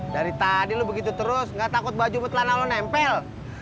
dari tadi lu begitu terus kak takut baju petlan lu nempel